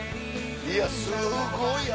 いやすごい汗。